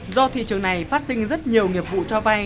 do thị trường này phát sinh rất nhiều nghiệp vụ cho vay